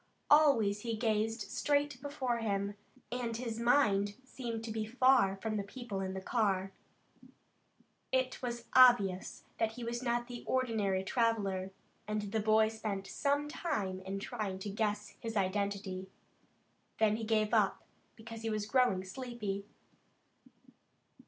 Always he gazed straight before him, and his mind seemed to be far from the people in the car. It was obvious that he was not the ordinary traveler, and the boy spent some time in trying to guess his identity. Then he gave it up, because he was growing sleepy.